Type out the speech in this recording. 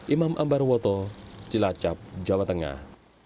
imam ambar woto cilacap jawa tengah